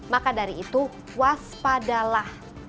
maka dari itu waspadalah